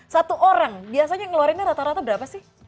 satu orang biasanya ngeluarinnya rata rata berapa sih